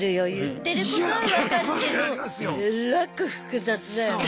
言ってることは分かるけどえらく複雑だよね。